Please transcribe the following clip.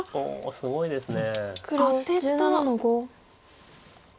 すごいですね。